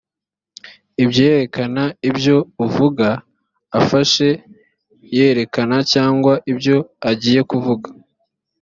ibyerekana ibyo uvuga afashe yerekana cyangwa ibyo agiye kuvuga